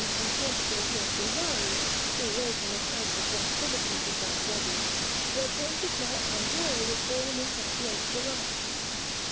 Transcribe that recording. Francesco Giambullari, who wrote an account of the festivities of that wedding, were painted by Andrea with ornaments of great variety.